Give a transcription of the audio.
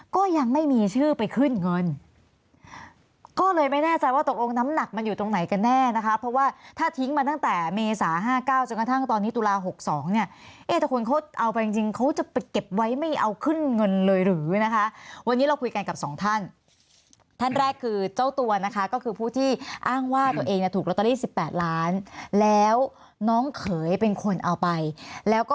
ก็ยังไม่มีชื่อไปขึ้นเงินก็เลยไม่แน่ใจว่าตกลงน้ำหนักมันอยู่ตรงไหนกันแน่นะคะเพราะว่าถ้าทิ้งมาตั้งแต่เมษา๕๙จนกระทั่งตอนนี้ตุลา๖๒เนี่ยเอ๊ะถ้าคนเขาเอาไปจริงจริงเขาจะไปเก็บไว้ไม่เอาขึ้นเงินเลยหรือนะคะวันนี้เราคุยกันกับสองท่านท่านแรกคือเจ้าตัวนะคะก็คือผู้ที่อ้างว่าตัวเองเนี่ยถูกลอตเตอรี่๑๘ล้านแล้วน้องเขยเป็นคนเอาไปแล้วก็